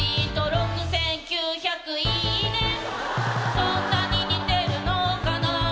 「そんなに似てるのかな」